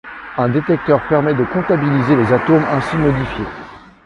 Un détecteur permet de comptabiliser les atomes ainsi modifiés.